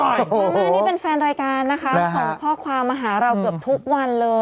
โอ้โฮมาม่านี่เป็นแฟนรายการนะครับ๒ข้อความมาหาเราเกือบทุกวันเลย